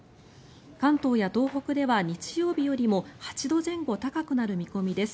関東や東北では日曜日よりも８度前後高くなる見込みです。